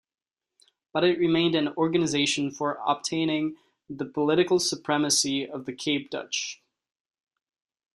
But it remained an organization for obtaining the political supremacy of the Cape Dutch.